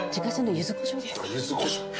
ゆずこしょう。